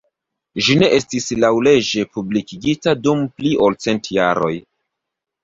Ĝi ne estis laŭleĝe publikigita dum pli ol cent jaroj.